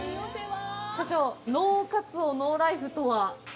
社長、「ノーカツオノーライフ」とは？